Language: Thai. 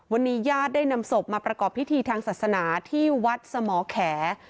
วันนี้ญาติได้นำศพมาประกอบพิธีทางศาสนาที่วัดสมแข